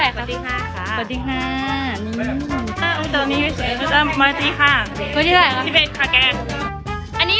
อ๋อคงจะต้องเป็นคนนี้